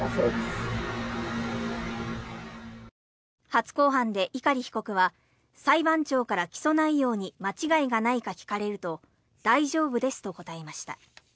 初公判で碇被告は裁判長から起訴内容に間違いがないか聞かれると大丈夫ですと答えました。